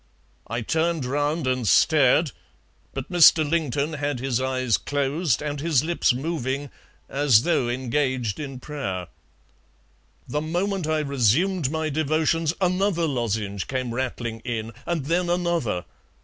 I turned round and stared, but Mr. Lington had his eyes closed and his lips moving as though engaged in prayer. The moment I resumed my devotions another lozenge came rattling in, and then another.